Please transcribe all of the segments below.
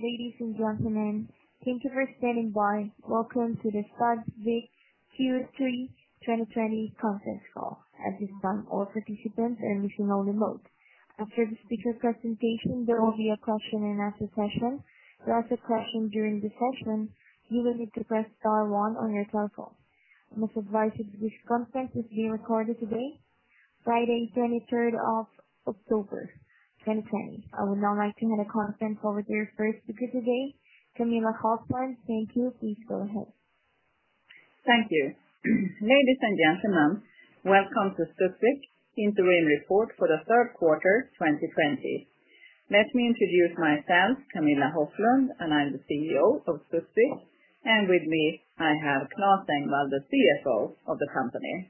Ladies and gentlemen, thank you for standing by. Welcome to the Studsvik Q3 2020 conference call. As is done, all participants are in listen-only mode. After the speaker presentation, there will be a question and answer session. To ask a question during the session, you will need to press star one on your telephone. I must advise you this conference is being recorded today, Friday, 23rd of October, 2020. I would now like to hand the conference over to your first speaker today, Camilla Hoflund. Thank you. Please go ahead. Thank you. Ladies and gentlemen, welcome to Studsvik interim report for the third quarter 2020. Let me introduce myself, Camilla Hoflund, and I'm the CEO of Studsvik, and with me I have Claes Engvall, the CFO of the company.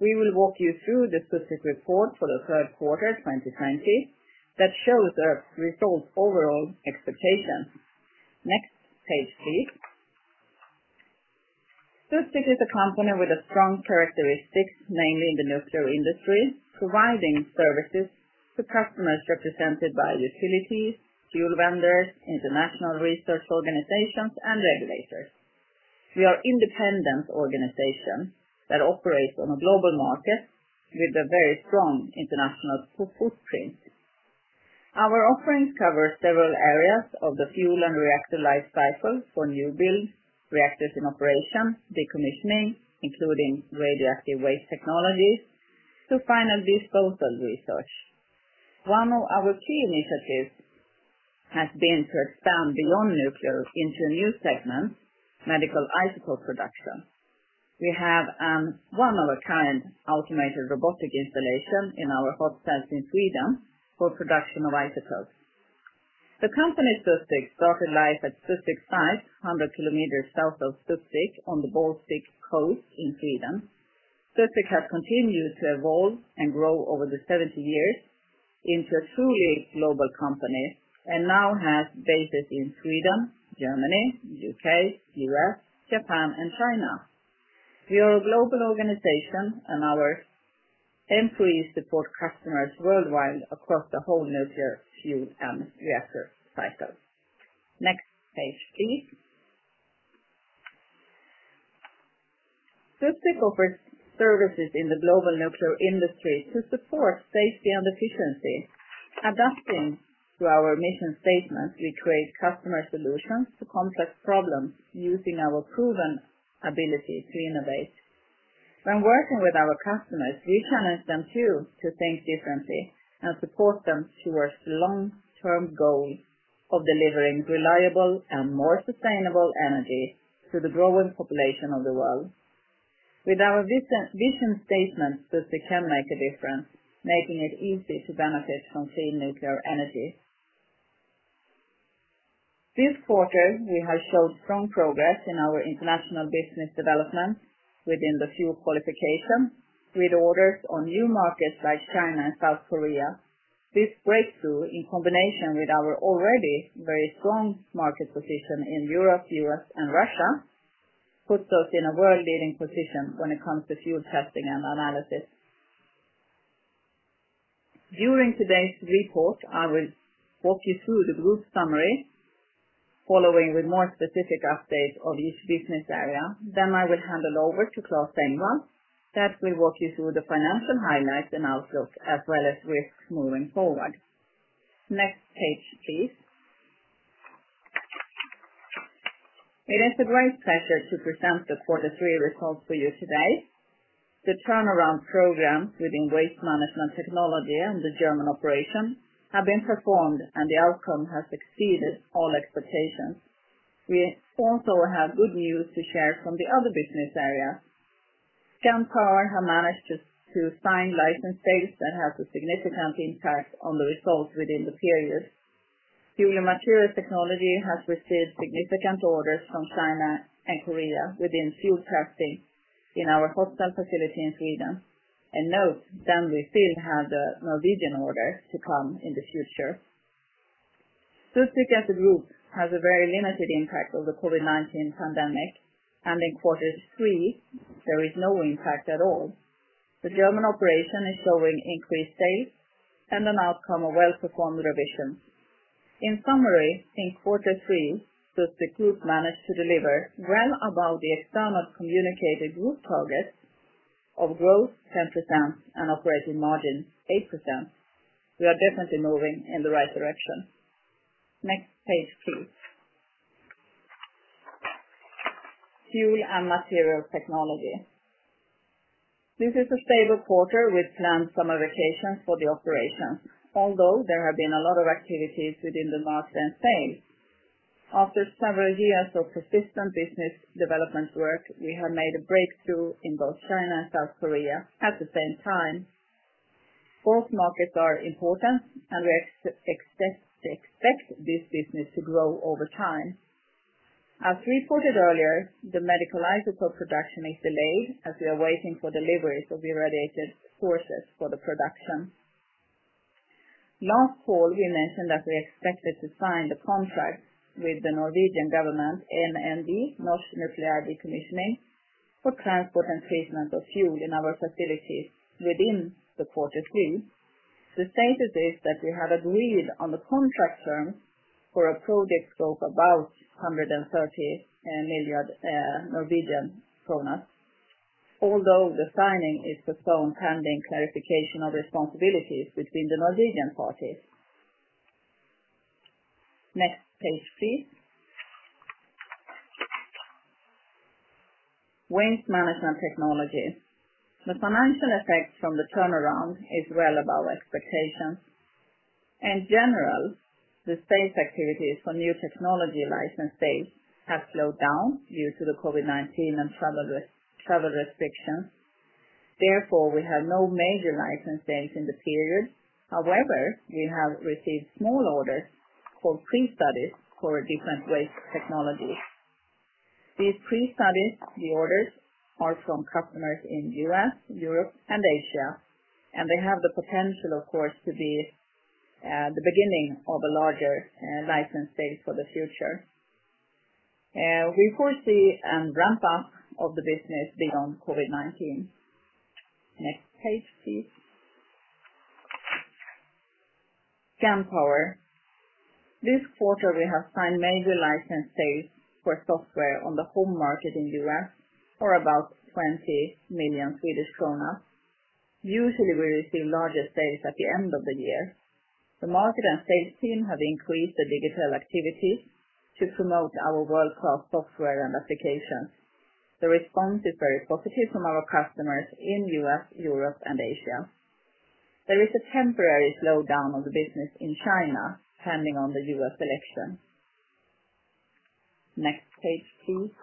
We will walk you through the Studsvik report for the third quarter 2020 that shows the results overall expectations. Next page, please. Studsvik is a company with a strong characteristic, mainly in the nuclear industry, providing services to customers represented by utilities, fuel vendors, international research organizations, and regulators. We are independent organization that operates on a global market with a very strong international footprint. Our offerings cover several areas of the fuel and reactor life cycle for new builds, reactors in operation, decommissioning, including radioactive waste technologies to final disposal research. One of our key initiatives has been to expand beyond nuclear into a new segment, medical isotope production. We have one of a kind automated robotic installation in our hot cell in Sweden for production of isotopes. The company, Studsvik, started life at Studsvik site, 100 km south of Stockholm on the Baltic Coast in Sweden. Studsvik has continued to evolve and grow over the 70 years into a truly global company and now has bases in Sweden, Germany, U.K., U.S., Japan, and China. We are a global organization. Our employees support customers worldwide across the whole nuclear fuel and reactor cycle. Next page, please. Studsvik offers services in the global nuclear industry to support safety and efficiency. Adapting to our mission statement, we create customer solutions to complex problems using our proven ability to innovate. When working with our customers, we challenge them too to think differently and support them towards long-term goals of delivering reliable and more sustainable energy to the growing population of the world. With our vision statement, Studsvik can make a difference, making it easy to benefit from clean nuclear energy. This quarter, we have showed strong progress in our international business development within the fuel qualification with orders on new markets like China and South Korea. This breakthrough, in combination with our already very strong market position in Europe, U.S., and Russia, puts us in a world-leading position when it comes to fuel testing and analysis. During today's report, I will walk you through the group summary following with more specific updates of each business area. I will hand it over to Claes Engvall that will walk you through the financial highlights and outlook as well as risks moving forward. Next page, please. It is a great pleasure to present the quarter three results for you today. The turnaround program within Waste Management Technology and the German operation have been performed, and the outcome has exceeded all expectations. We also have good news to share from the other business areas. Scandpower have managed to sign license deals that has a significant impact on the results within the period. Fuel and Materials Technology has received significant orders from China and Korea within fuel testing in our hot cell facility in Sweden. Note that we still have the Norwegian order to come in the future. Studsvik as a group has a very limited impact of the COVID-19 pandemic, and in quarter three, there is no impact at all. The German operation is showing increased sales and an outcome of well-performed revision. In summary, in quarter three, Studsvik Group managed to deliver well above the external communicated group targets of growth 10% and operating margin 8%. We are definitely moving in the right direction. Next page, please. Fuel and Materials Technology. This is a stable quarter with planned summer vacations for the operations, although there have been a lot of activities within the market and sales. After several years of persistent business development work, we have made a breakthrough in both China and South Korea at the same time. Both markets are important, and we expect this business to grow over time. As reported earlier, the medical isotope production is delayed as we are waiting for deliveries of the irradiated sources for the production. Last call, we mentioned that we expected to sign the contract with the Norwegian government, NND, Norsk nukleær dekommisjonering, for transport and treatment of fuel in our facilities within the quarter three. The status is that we have agreed on the contract terms for a project scope above 130 million Norwegian kroner, although the signing is postponed pending clarification of responsibilities between the Norwegian parties. Next page, please. Waste Management Technology. The financial effect from the turnaround is well above expectations. In general, the sales activities for new technology license sales have slowed down due to the COVID-19 and travel restrictions. Therefore, we have no major license sales in the period. However, we have received small orders for pre-studies for different waste technology. These pre-studies, the orders are from customers in the U.S., Europe and Asia, they have the potential, of course, to be the beginning of a larger license sale for the future. We foresee a ramp up of the business beyond COVID-19. Next page, please. Scandpower. This quarter, we have signed major license sales for software on the home market in the U.S. for about 20 million Swedish kronor. Usually, we receive larger sales at the end of the year. The market and sales team have increased their digital activities to promote our world-class software and applications. The response is very positive from our customers in the U.S., Europe and Asia. There is a temporary slowdown of the business in China, pending on the U.S. election. Next page, please.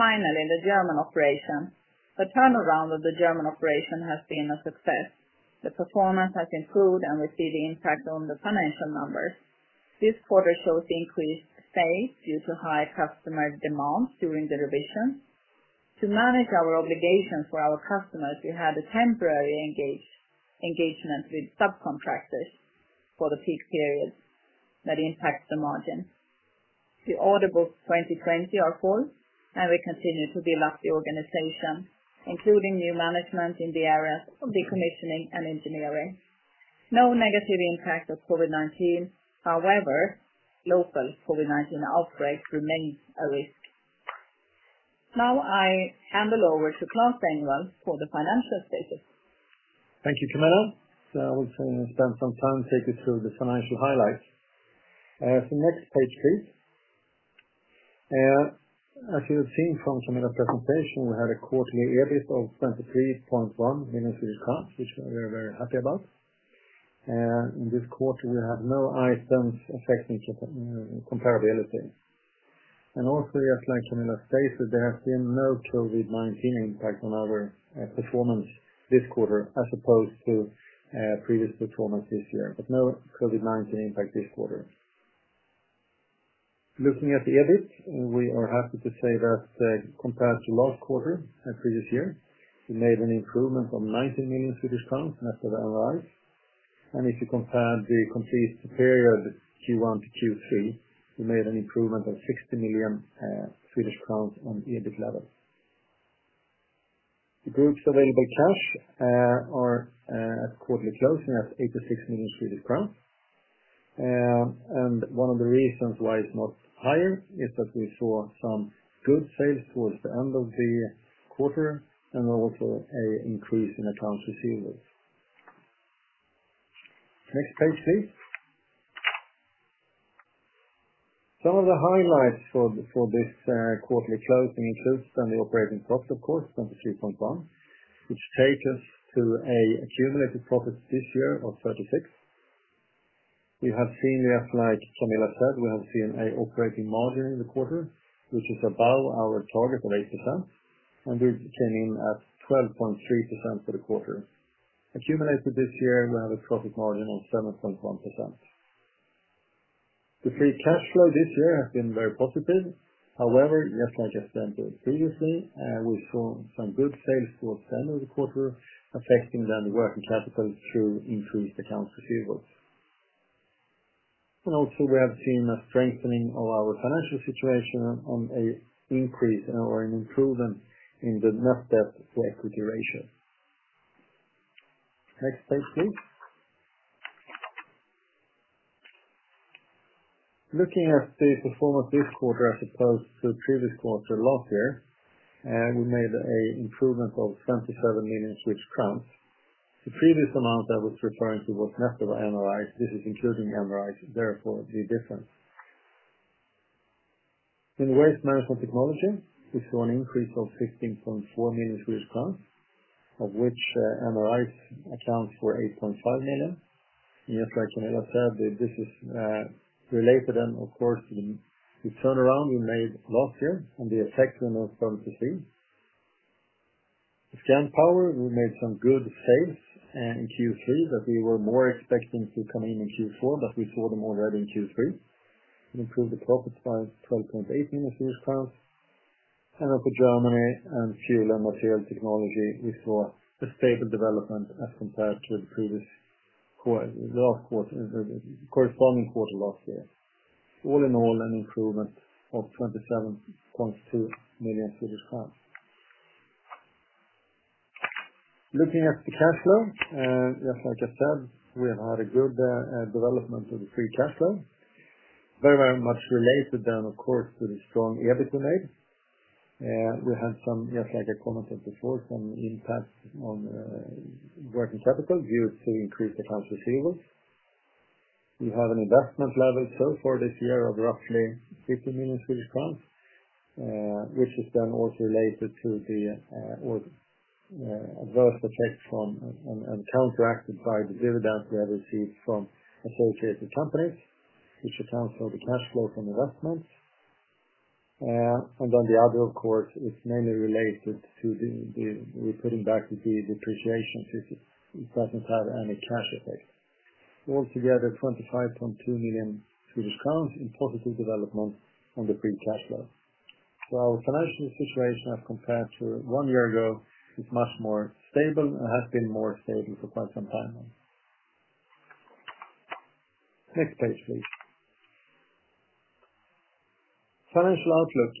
The German operation. The turnaround of the German operation has been a success. The performance has improved and we see the impact on the financial numbers. This quarter shows increased sales due to high customer demand during the revision. To manage our obligations for our customers, we had a temporary engagement with subcontractors for the peak period that impacts the margin. The order books 2020 are full, and we continue to build up the organization, including new management in the areas of decommissioning and engineering. No negative impact of COVID-19. However, local COVID-19 outbreak remains a risk. Now I hand it over to Claes Engvall for the financial status. Thank you, Camilla. I will spend some time taking you through the financial highlights. The next page, please. As you have seen from Camilla's presentation, we had a quarterly EBIT of 23.1 million, which we are very happy about. In this quarter, we have no items affecting comparability. Also, as Camilla stated, there has been no COVID-19 impact on our performance this quarter as opposed to previous performance this year, but no COVID-19 impact this quarter. Looking at the EBIT, we are happy to say that compared to last quarter and previous year, we made an improvement of SEK 19 million after IACs. If you compare the complete period Q1 to Q3, we made an improvement of 60 million Swedish crowns on EBIT level. The group's available cash are at quarterly closing at 86 million Swedish crowns. One of the reasons why it's not higher is that we saw some good sales towards the end of the quarter and also an increase in accounts receivable. Next page, please. Some of the highlights for this quarterly closing includes the operating profit, of course, 23.1 million, which takes us to a cumulative profit this year of 36 million. Just like Camilla said, we have seen an operating margin in the quarter, which is above our target of 8%, and we came in at 12.3% for the quarter. Accumulated this year, we have a profit margin of 7.1%. The free cash flow this year has been very positive. Just like I've said previously, we saw some good sales towards the end of the quarter, affecting then the working capital through increased accounts receivable. Also, we have seen a strengthening of our financial situation on a increase or an improvement in the net debt to equity ratio. Next page, please. Looking at the performance this quarter as opposed to previous quarter last year, we made a improvement of 27 million crowns. The previous amount I was referring to was after IACs. This is including IACs, therefore the difference. In Waste Management Technology, we saw an increase of 15.4 million Swedish crowns, of which IACs account for 8.5 million. Just like Camilla said, this is related and of course, the turnaround we made last year and the effect we now start to see. Scandpower, we made some good sales in Q3 that we were more expecting to come in in Q4, but we saw them already in Q3. We improved the profits by SEK 12.8 million. For Germany and Fuel and Materials Technology, we saw a stable development as compared to the previous corresponding quarter last year. All in all, an improvement of SEK 27.2 million. Looking at the cash flow, just like I said, we have had a good development of the free cash flow. Very much related down, of course, to the strong EBITDA. We had some, just like I commented before, some impact on working capital due to increased accounts receivables. We have an investment level so far this year of roughly 50 million Swedish crowns, which is then also related to the adverse effect from and counteracted by the dividends we have received from associated companies, which accounts for the cash flow from investments. The other, of course, is mainly related to the putting back of the depreciation, since it doesn't have any cash effect. Altogether, 25.2 million Swedish crowns in positive development on the free cash flow. Our financial situation as compared to one year ago is much more stable and has been more stable for quite some time now. Next page, please. Financial outlook.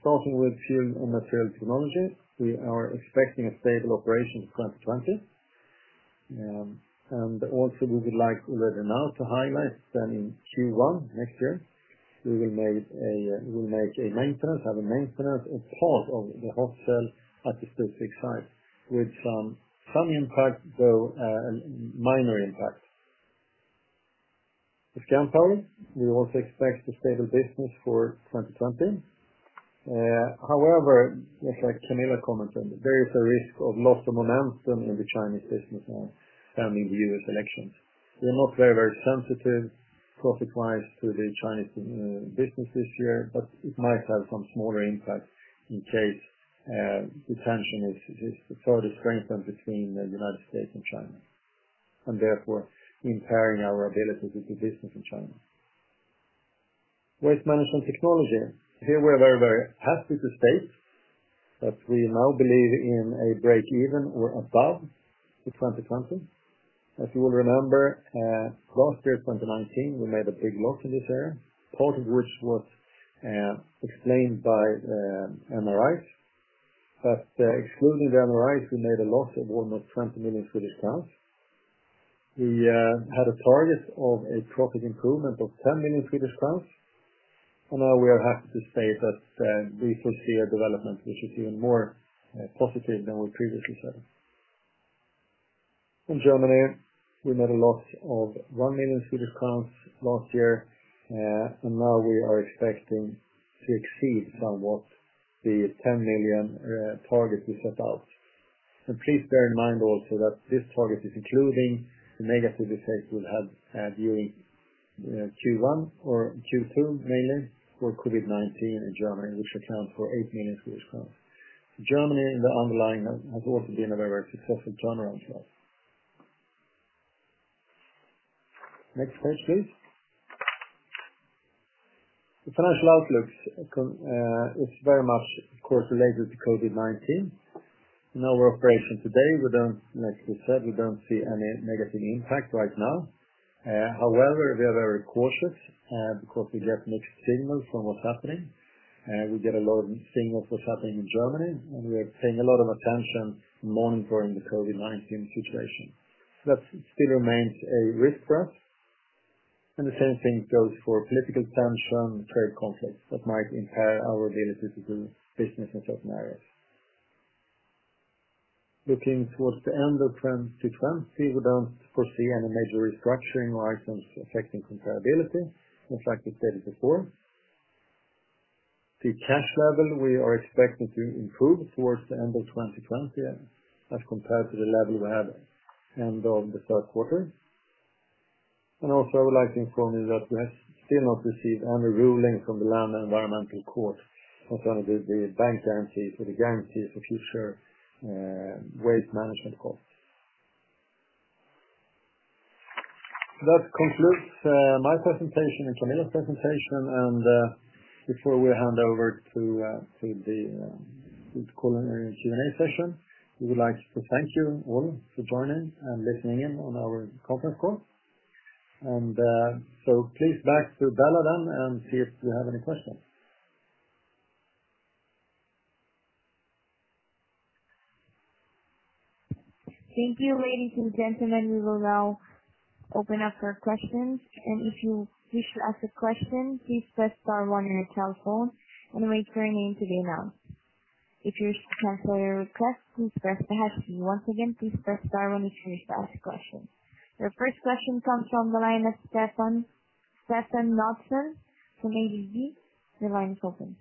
Starting with Fuel and Materials Technology, we are expecting a stable operation in 2020. Also we would like already now to highlight that in Q1 2021, we will make a maintenance as part of the hot cell at the Studsvik site, with some impact, though a minor impact. The Scandpower, we also expect a stable business for 2020. However, just like Camilla commented, there is a risk of loss of momentum in the Chinese business now pending the U.S. elections. We're not very sensitive profit-wise to the Chinese business this year, but it might have some smaller impact in case the tension is further strengthened between the U.S. and China, and therefore impairing our ability to do business in China. Waste Management Technology. Here we are very happy to state that we now believe in a break even or above in 2020. As you will remember, last year, 2019, we made a big loss in this area, part of which was explained by IACs. Excluding the IACs, we made a loss of almost 20 million Swedish crowns. We had a target of a profit improvement of 10 million Swedish crowns, and now we are happy to state that we foresee a development which is even more positive than we previously said. In Germany, we made a loss of 1 million Swedish crowns last year. Now we are expecting to exceed somewhat the 10 million target we set out. Please bear in mind also that this target is including the negative effect we'll have during Q1 or Q2 mainly for COVID-19 in Germany, which accounts for 8 million Swedish crowns. Germany, the underlying, has also been a very successful journey for us. Next page, please. The financial outlook is very much, of course, related to COVID-19. In our operation today, like we said, we don't see any negative impact right now. However, we are very cautious because we get mixed signals from what's happening. We get a lot of signals what's happening in Germany. We are paying a lot of attention monitoring the COVID-19 situation. That still remains a risk for us. The same thing goes for political tension, trade conflicts that might impair our ability to do business in certain areas. Looking towards the end of 2020, we don't foresee any major restructuring items affecting comparability, just like we stated before. The cash level we are expecting to improve towards the end of 2020 as compared to the level we had end of Q3. Also, I would like to inform you that we have still not received any ruling from the Land and Environmental Court concerning the bank guarantee for the guarantee for future waste management costs. That concludes my presentation and Camilla's presentation, and before we hand over to the Q&A session, we would like to thank you all for joining and listening in on our conference call. Please back to Bella then, and see if you have any questions. Thank you, ladies and gentlemen. We will now open up for questions. If you wish to ask a question, please press star one on your telephone and wait for your name to be announced. If you wish to cancel your request, please press hash one. Once again, please press star one if you wish to ask a question. Your first question comes from the line of Stefan Knutsson from ABG. Your line is open.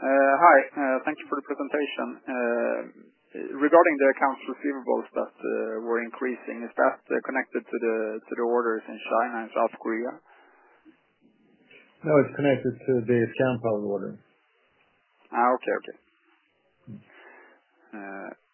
Hi. Thank you for the presentation. Regarding the accounts receivables that were increasing, is that connected to the orders in China and South Korea? No, it's connected to the Scandpower order. Okay.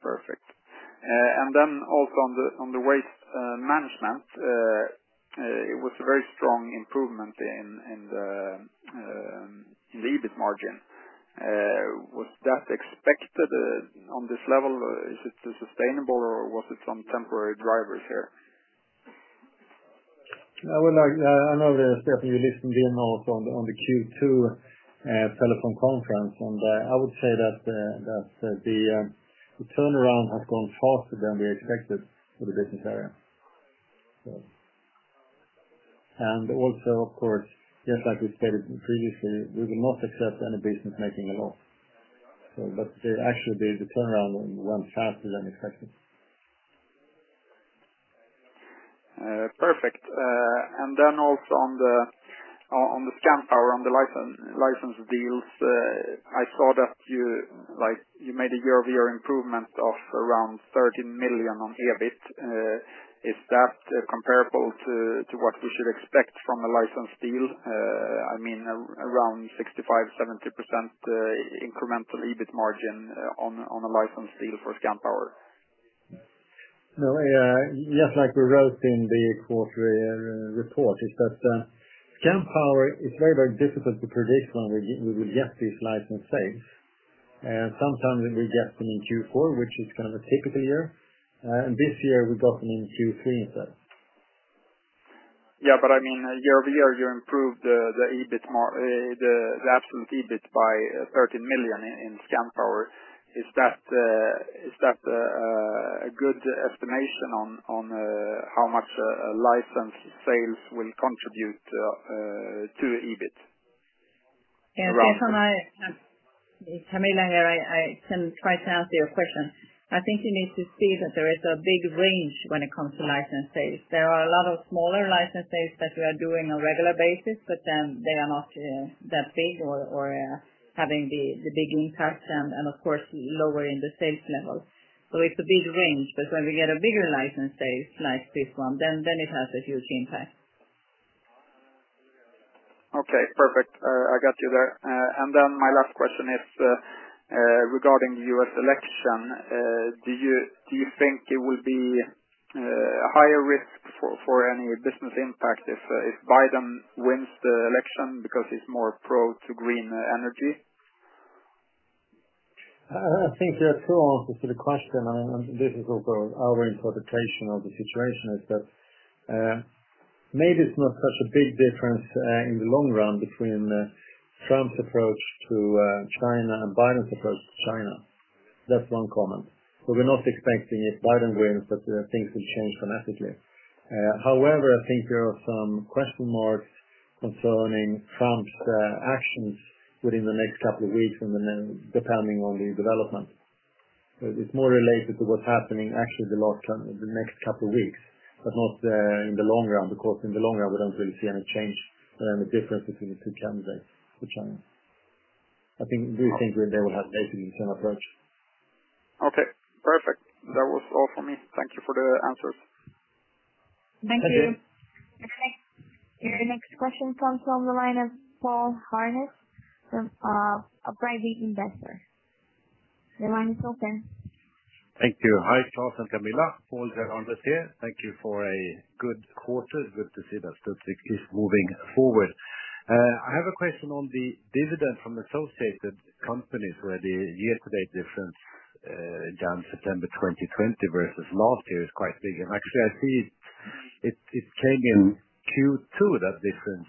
Perfect. Also on the Waste Management, it was a very strong improvement in the EBIT margin. Was that expected on this level? Is it sustainable or was it some temporary drivers here? I know that, Stefan, you listened in on the Q2 telephone conference, and I would say that the turnaround has gone faster than we expected for the business area. Also, of course, just like we stated previously, we will not accept any business making a loss. Actually, the turnaround went faster than expected. Perfect. Also on the Scandpower, on the license deals, I saw that you made a year-over-year improvement of around 30 million on EBIT. Is that comparable to what we should expect from a license deal? I mean, around 65%-70% incremental EBIT margin on a license deal for Scandpower. No, just like we wrote in the quarterly report, is that Scandpower is very difficult to predict when we will get these license sales. Sometimes we get them in Q4, which is kind of a typical year. This year we got them in Q3 instead. I mean, year-over-year, you improved the absolute EBIT by 30 million in Scandpower. Is that a good estimation on how much license sales will contribute to EBIT? Stefan, hi. It's Camilla here. I can try to answer your question. I think you need to see that there is a big range when it comes to license sales. There are a lot of smaller license sales that we are doing on a regular basis, but then they are not that big or having the big impact and of course, lower in the sales level. It's a big range. When we get a bigger license sale, like this one, then it has a huge impact. Okay, perfect. I got you there. My last question is regarding U.S. election. Do you think it will be a higher risk for any business impact if Biden wins the election because he's more pro to green energy? I think there are two answers to the question, and this is also our interpretation of the situation, is that maybe it's not such a big difference in the long run between Trump's approach to China and Biden's approach to China. We're not expecting if Biden wins, that things will change dramatically. However, I think there are some question marks concerning Trump's actions within the next couple of weeks, and then depending on the development. It's more related to what's happening actually the next couple of weeks, but not in the long run, because in the long run, we don't really see any change and the difference between the two candidates for China. I think we think they will have basically the same approach. Okay, perfect. That was all for me. Thank you for the answers. Thank you. Thank you. Your next question comes from the line of Paul Harness a Private Investor. The line is open. Thank you. Hi, Claes and Camilla. Paul Harness here. Thank you for a good quarter. Good to see that Studsvik is moving forward. I have a question on the dividend from associated companies where the year-to-date difference down September 2020 versus last year is quite big. Actually, I see it came in Q2, that difference.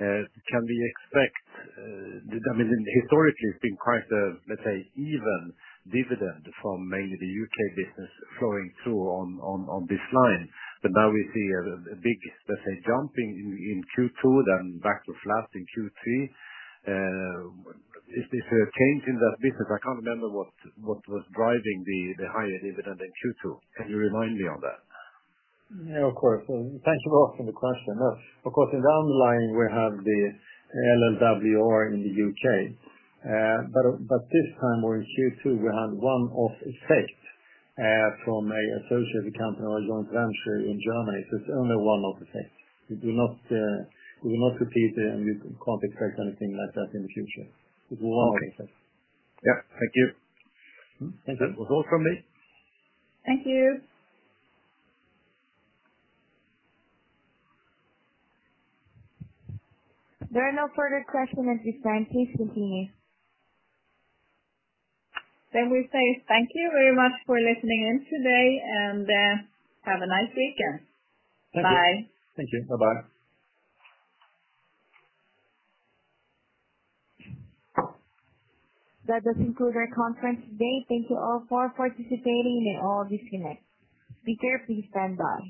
I mean, historically, it's been quite a, let's say, even dividend from mainly the U.K. business flowing through on this line. Now we see a big, let's say, jumping in Q2, then back to flat in Q3. Is this a change in that business? I can't remember what was driving the higher dividend in Q2. Can you remind me of that? Yeah, of course. Thank you for asking the question. Of course, in the underlying, we have the LLWR in the U.K. This time, we're in Q2, we had one-off effect from a associated company or a joint venture in Germany. It's only one-off effect. We will not repeat and we can't expect anything like that in the future. It's one-off effect. Okay. Yeah. Thank you. Thank you. That was all from me. Thank you. There are no further questions at this time. Please continue. We say thank you very much for listening in today, and have a nice weekend. Bye. Thank you. Bye-bye. That does conclude our conference today. Thank you all for participating. You may all disconnect. Be careful. You stand by.